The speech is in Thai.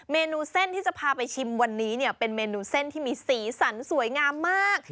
เมนูเส้นที่จะพาไปชิมวันนี้เนี่ยเป็นเมนูเส้นที่มีสีสันสวยงามมาก